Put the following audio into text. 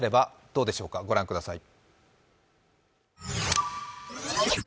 どうでしょうか、御覧ください。